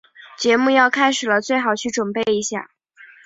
节目要开始了，最好去准备一下。